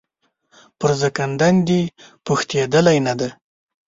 پر زکندن دي پوښتېدلی نه دی